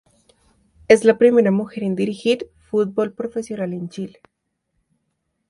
Es la primera mujer en dirigir fútbol profesional en Chile.